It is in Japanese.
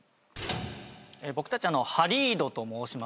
僕たちハリードと申しまして。